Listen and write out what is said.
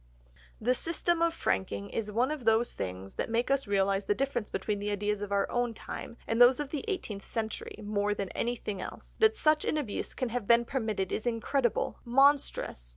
The system of franking is one of those things that make us realise the difference between the ideas of our own time and those of the eighteenth century more than anything else; that such an abuse can have been permitted is incredible, monstrous.